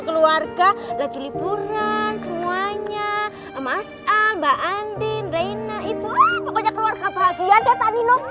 keluarga lagi liburan semuanya masal mbak andin reina itu pokoknya keluarga bahagia deh pak nino